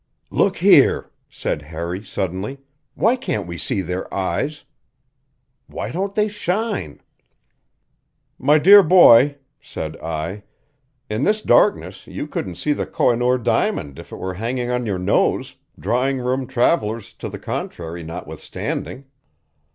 "Look here," said Harry suddenly, "why can't we see their eyes? Why don't they shine." "My dear boy," said I, "in this darkness you couldn't see the Kohinoor diamond if it were hanging on your nose, drawing room travelers to the contrary notwithstanding.